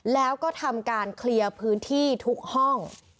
แล้วก็ทำการเคลียร์พื้นที่ทุกห้อง